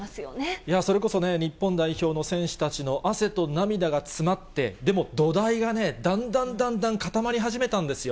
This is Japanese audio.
いやー、それこそね、日本代表の選手たちの汗と涙が詰まって、でも土台がね、だんだんだんだん固まり始めたんですよ。